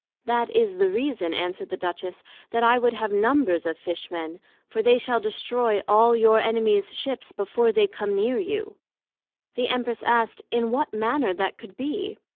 That is the reason, answered the Duchess, that I would have numbers of Fish men, for they shall destroy all your Enemies Ships, before they can come near you. The Empress asked in what manner that could be?